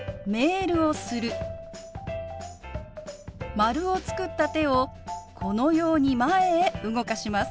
丸を作った手をこのように前へ動かします。